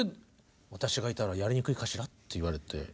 「私がいたらやりにくいかしら」って言われて。